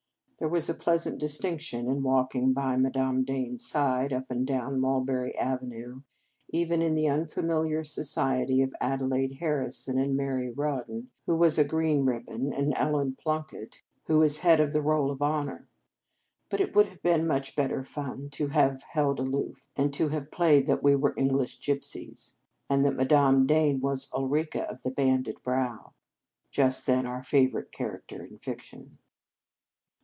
There was a pleasant distinction in walking by Madame Dane s side up and down Mulberry Avenue, even in the un familiar society of Adelaide Harrison, and Mary Rawdon, who was a green ribbon, and Ellie Plunkett, who was head of the roll of honour; but it would have been much better fun to have held aloof, and have played that we were English gypsies, and that Ma dame Dane was Ulrica of the Banded Brow, just then our favourite char acter in fiction.